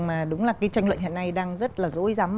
mà đúng là cái tranh luận hiện nay đang rất là dối dắm